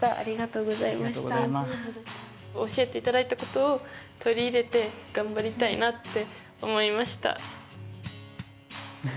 教えていただいたことを取り入れて頑張りたいなって思いました。